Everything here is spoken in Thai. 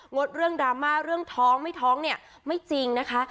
ดเรื่องดราม่าเรื่องท้องไม่ท้องเนี่ยไม่จริงนะคะ